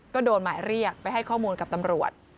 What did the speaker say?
ก็โดนหมายเรียกไปให้ข้อมูลกับตำรวจ